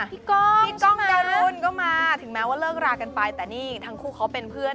ก้องพี่ก้องการุนก็มาถึงแม้ว่าเลิกรากันไปแต่นี่ทั้งคู่เขาเป็นเพื่อน